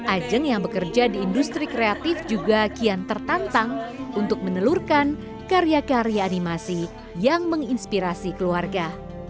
ajeng yang bekerja di industri kreatif juga kian tertantang untuk menelurkan karya karya animasi yang menginspirasi keluarga